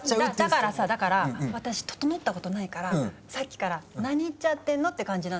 だからさだから私ととのったことないからさっきから「何言っちゃってんの？」って感じなんだよね。